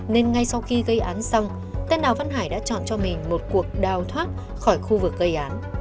nên ngay sau khi gây án xong tên đào văn hải đã chọn cho mình một cuộc đào thoát khỏi khu vực gây án